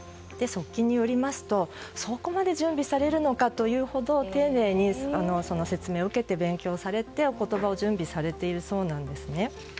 側近によりますとそこまで準備されるのかというほど丁寧に説明を受けて勉強をされてお言葉を準備されているそうです。